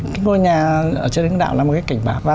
cái ngôi nhà ở trên đất nước đạo là một cái cảnh báo